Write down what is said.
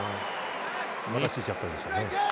すばらしいジャッカルでしたね。